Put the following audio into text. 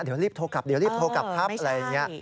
เดี๋ยวรีบโทรกลับเดี๋ยวรีบโทรกลับครับอะไรอย่างนี้